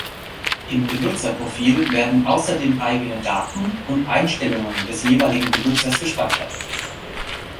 Im Benutzerprofil werden außerdem eigene Dateien und Einstellungen des jeweiligen Benutzers gespeichert.